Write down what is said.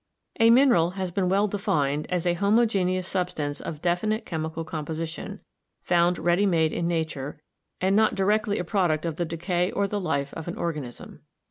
A mineral has been well defined as a "homogeneous substance of definite chemical composition, found ready made in nature, and not directly a product of the decay or the life of an organism."